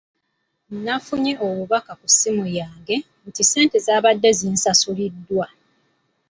Nafunye obubaka ku ssimu yange nti ssente zaabadde zisasuliddwa.